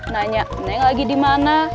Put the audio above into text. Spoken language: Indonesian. nanya neng lagi dimana